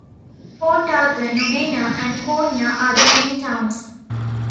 Port Arthur, Nubeena and Koonya are the main towns.